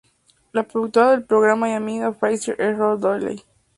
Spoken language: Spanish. La productora del programa y amiga de Frasier es Roz Doyle.